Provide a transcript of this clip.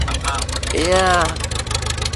Dorkly listed him as the greatest sidekick in gaming.